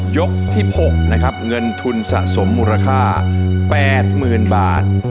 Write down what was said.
ยกที่๖นะครับเงินทุนสะสมมูลค่า๘๐๐๐บาท